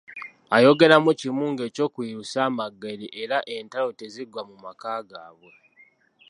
Ayogeramu kimu ng'ekyokubiri lusambaggere era entalo teziggwa mu maka gaabwe!